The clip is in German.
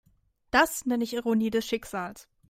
Das nenne ich Ironie des Schicksals.